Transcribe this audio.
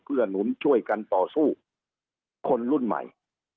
หนุนช่วยกันต่อสู้คนรุ่นใหม่